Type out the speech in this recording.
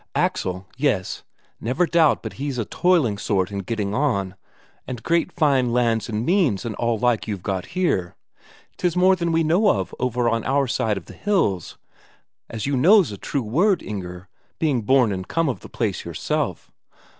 Axel, yes, never doubt but he's a toiling sort and getting on, and great fine lands and means and all like you've got here 'tis more than we know of over on our side the hills, as you know's a true word, Inger, being born and come of the place yourself.